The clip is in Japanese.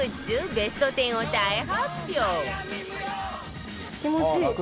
ベスト１０を大発表